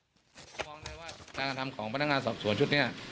มีความรู้สึกว่าทางการทำของพนักงานสอบสวนชุดนี้